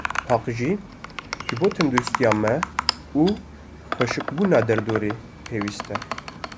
Paqijî, ji bo tendirûstiya me û xweşikbûna derdorê, pêwîst e.